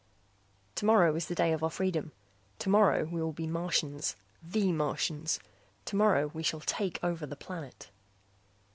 Tomorrow is the day of our freedom. Tomorrow we will be Martians, the Martians. Tomorrow we shall take over the planet.